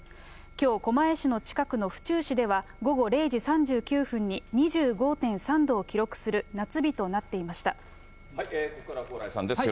きょう、狛江市の近くの府中市では、午後０時３９分に２５．３度を記録する夏日となっていました。